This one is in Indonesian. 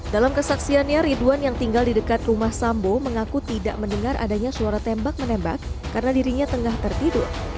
dalam kesaksiannya ridwan yang tinggal di dekat rumah sambo mengaku tidak mendengar adanya suara tembak menembak karena dirinya tengah tertidur